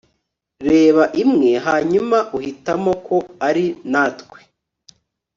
reba imwe hanyuma uhitamo ko ari natwe